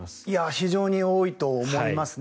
非常に多いと思いますね。